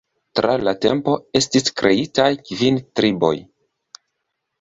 Tra la tempo estis kreitaj kvin triboj.